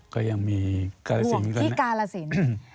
ก็ยังมีกาลสิน